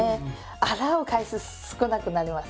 洗う回数少なくなります。